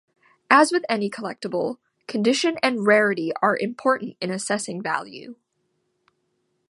As with any collectible, condition and rarity are important in assessing value.